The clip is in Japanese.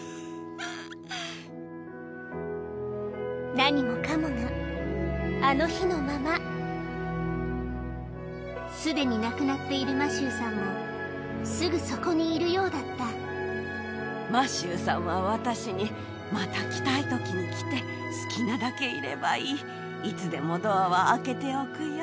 何もかもがあの日のまますでに亡くなっているマシューさんもすぐそこにいるようだったマシューさんは私に「また来たい時に来て好きなだけいればいいいつでもドアを開けておくよ」